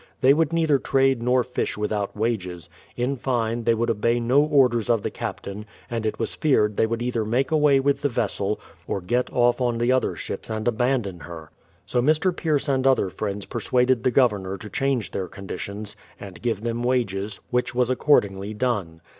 They would neither trade nor fish without wages ; in fine, they would obey no orders of the captain, and it was feared they would either make away with the vessel, or get off on the other ships and abandon her. So Mr. Pierce and other friends persuaded the Governor to change their conditions, and give them wages; which was accordingly done.